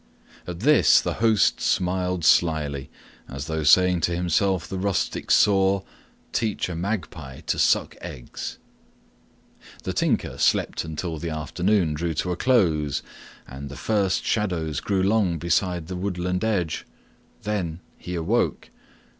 At this the host smiled slyly, as though saying to himself the rustic saw, "Teach a magpie to suck eggs." The Tinker slept until the afternoon drew to a close and the shadows grew long beside the woodland edge, then he awoke.